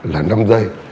là năm giây